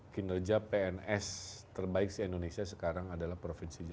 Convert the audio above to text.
kinerja pns terbaik di indonesia sekarang adalah provinsi jawa